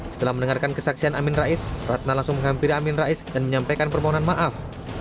setelah mendengarkan kesaksian amin rais ratna langsung menghampiri amin rais dan menyampaikan permohonan maaf